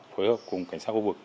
phối hợp cùng cảnh sát khu vực